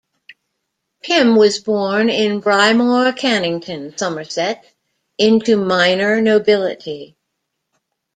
Pym was born in Brymore, Cannington, Somerset, into minor nobility.